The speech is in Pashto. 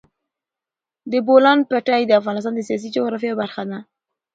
د بولان پټي د افغانستان د سیاسي جغرافیه برخه ده.